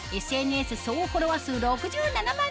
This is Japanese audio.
総フォロワー数６７万